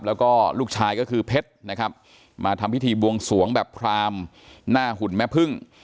แล้วก็ลูกชายก็คือเพชรนะครับมาทำพิธีบวงสวงแบบพรามหน้าหุ่นแม่พึ่ง